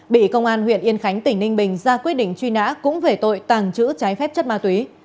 bị công an huyện yên khánh tỉnh ninh bình ra quyết định truy nã cũng về tội tàng trữ trái phép chất ma túy